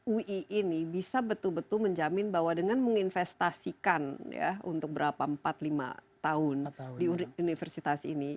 ui ini bisa betul betul menjamin bahwa dengan menginvestasikan ya untuk berapa empat lima tahun di universitas ini